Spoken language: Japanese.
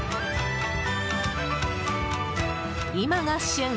今が旬！